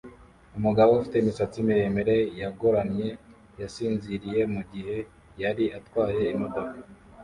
Umugabo ufite imisatsi miremire yagoramye yasinziriye mugihe yari atwaye imodoka